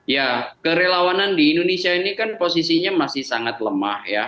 ya kerelawanan di indonesia ini kan posisinya masih sangat lemah ya